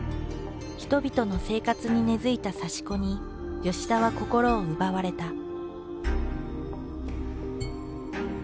人々の生活に根づいた刺し子に田は心を奪われた。